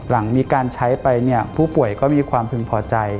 หลังมีการใช้ไปเนี่ยผู้ป่วยก็มีความพึงพอใจ